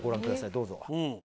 どうぞ。